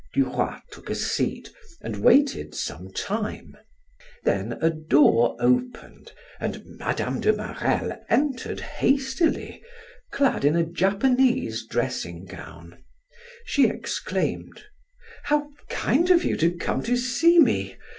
Duroy took a seat and waited some time. Then a door opened and Mme. de Marelle entered hastily, clad in a Japanese dressing gown. She exclaimed: "How kind of you to come to see me.